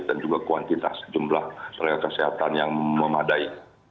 dan juga kuantitas jumlah pekerja kesehatan yang memadai